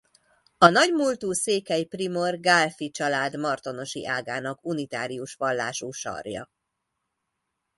A nagy múltú székely primor Gálffy család martonosi ágának unitárius vallású sarja.